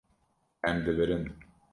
Em dibirin.